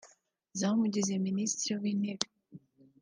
zamugize Minisitiri w’Intebe